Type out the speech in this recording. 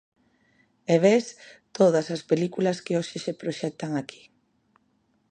E ves todas as películas que hoxe se proxectan aquí.